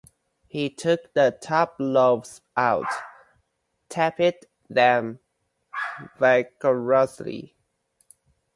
He took the top loaves out, tapped them vigorously.